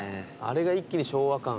あれが一気に昭和感。